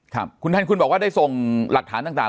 ครับคุณท่านคุณบอกว่าได้ทรงหลักฐานต่างต่าง